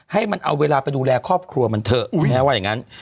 ให้มันเอาเวลาไปดูแลครอบครัวมันเถอะคุณแม่ว่าอย่างนั้น